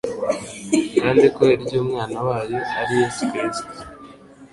kandi ko iry'Umwana wayo ari Yesu Kristo